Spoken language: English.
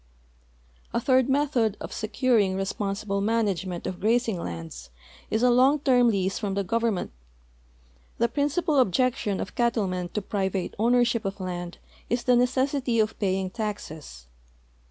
A third method of securing responsible management of graz ing lands is a long term lease from the government. The prin cipal objection of cattlemen to private ownership of land is the necessity of i)aying taxes.